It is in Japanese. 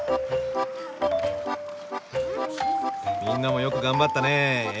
みんなもよく頑張ったねえ。